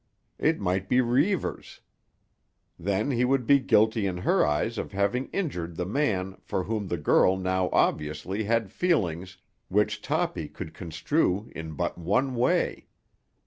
It might be Reivers. Then he would be guilty in her eyes of having injured the man for whom the girl now obviously had feelings which Toppy could construe in but one way.